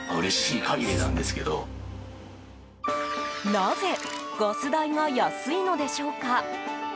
なぜ、ガス代が安いのでしょうか。